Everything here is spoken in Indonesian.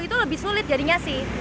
itu lebih sulit jadinya sih